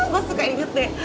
gua suka inget deh